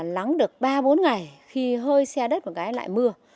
lắng được ba bốn ngày khi hơi xe đất một cái lại mưa